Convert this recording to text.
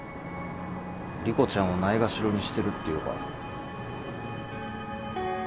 莉子ちゃんをないがしろにしてるっていうか。